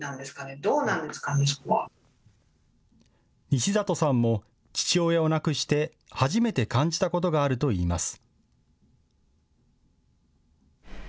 西里さんも父親を亡くして初めて感じたことがあるといいます。